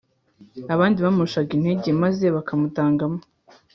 . Abandi bamurushaga intege maze bakamutangamo